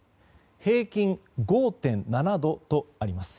平均５．７度とあります。